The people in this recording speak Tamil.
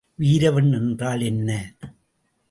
விரிவெண் என்றால் என்ன?